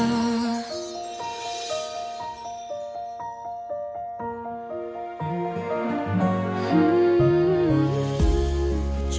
aku yang salah